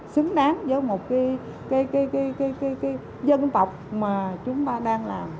xứng đáng với một cái dân tộc mà chúng ta đang làm